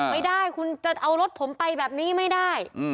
ไม่ได้คุณจะเอารถผมไปแบบนี้ไม่ได้